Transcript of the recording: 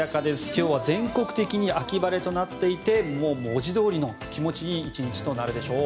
今日は全国的に秋晴れとなっていてもう文字どおりの気持ちいい１日となるでしょう。